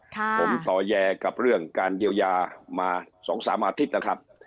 ผมต่อแยกับเรื่องการเยียวยามา๒๓อาทิตย์นะครับ